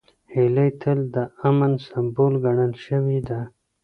هیلۍ تل د امن سمبول ګڼل شوې ده